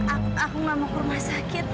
aku gak mau ke rumah sakit